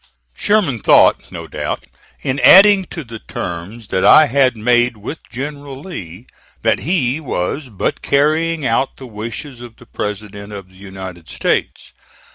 Sherman thought, no doubt, in adding to the terms that I had made with general Lee, that he was but carrying out the wishes of the President of the United States.